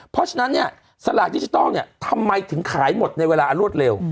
เพราะฉะนั้นเนี่ยสลากดิจิทัลเนี่ยทำไมถึงขายหมดในเวลาอันรวดเร็ว